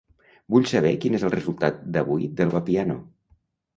Vull saber quin és el resultat d'avui del Vapiano.